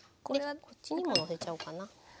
これはこっちにものせちゃおうかな。